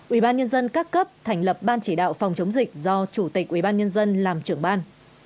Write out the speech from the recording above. một mươi hai ubnd các cấp thành lập ban chỉ đạo phòng chống dịch do chủ tịch ubnd làm trưởng ban